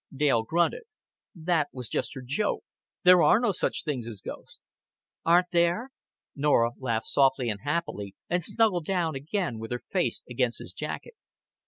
Dale grunted. "That was just her joke. There are no such things as ghosts." "Aren't there?" Norah laughed softly and happily, and snuggled down again with her face against his jacket.